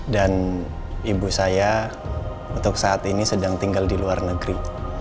dan ibu saya untuk saat ini sedang tinggal di luar negeri